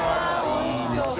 いいですね。